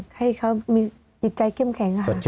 ให้เขามีกิจใจเข้มแข็ง